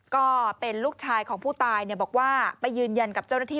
ก็เป็นลูกชายของผู้ตายบอกว่าไปยืนยันกับเจ้าหน้าที่